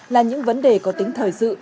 là những vấn đề có tính thời sự